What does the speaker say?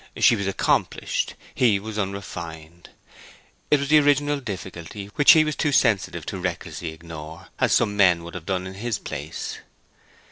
She was accomplished; he was unrefined. It was the original difficulty, which he was too sensitive to recklessly ignore, as some men would have done in his place.